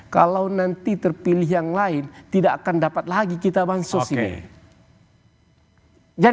kalau nanti terpilih yang lain tidak akan dapat lagi kita bansos ini